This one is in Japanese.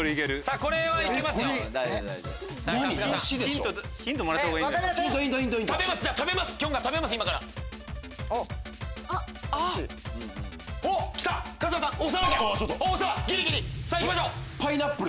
これパイナップル？